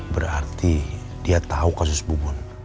berarti dia tahu kasus bubur